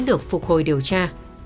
được phục hồi điều tra